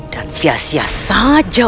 dan sia sia saja